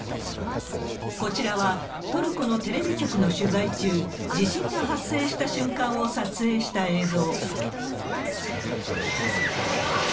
こちらは、トルコのテレビ局の取材中、地震が発生した瞬間を撮影した映像。